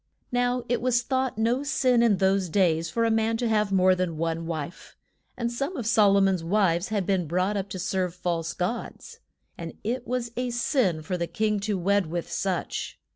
Now it was thought no sin in those days for a man to have more than one wife. And some of Sol o mon's wives had been brought up to serve false gods. And it was a sin for the king to wed with such.